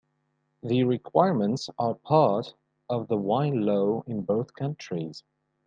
The requirements are part of the wine law in both countries.